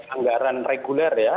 anggaran reguler ya